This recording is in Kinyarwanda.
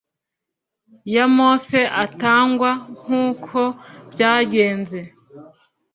ya mose atangwa, nk'uko byagenze